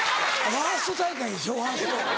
ワースト大会でしょワースト。